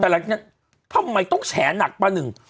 แต่หลังจากนั้นทำไมต้องแฉหนักป่ะหนึ่ง